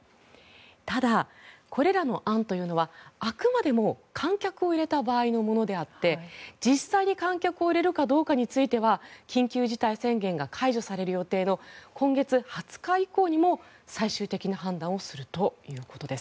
ただ、これらの案というのはあくまでも観客を入れた場合のものであって実際に観客を入れるかどうかについては緊急事態宣言が解除される予定の今月２０日以降にも最終的な判断をするということです。